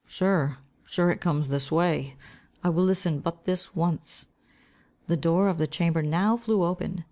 Sure, sure it comes this way. I will listen but this once." The door of the chamber now flew open.